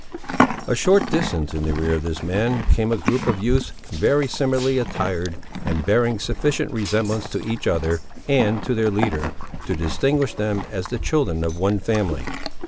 A short distance in the rear of this man, came a group of youths very similarly attired, and bearing sufficient resemblance to each other, and to their leader, to distinguish them as the children of one family.